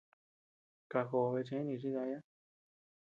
Kajobe cheʼe nichi daya.